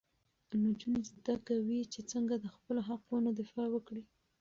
نجونې زده کوي چې څنګه د خپلو حقونو دفاع وکړي.